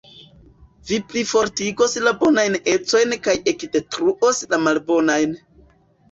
Vi plifortigos la bonajn ecojn kaj ekdetruos la malbonajn.